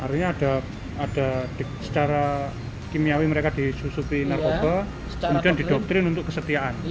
artinya ada secara kimiawi mereka disusupi narkoba kemudian didoktrin untuk kesetiaan